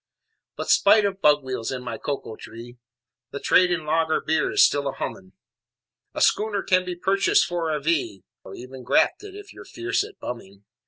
But spite of bug wheels in my cocoa tree, The trade in lager beer is still a humming, A schooner can be purchased for a V Or even grafted if you're fierce at bumming.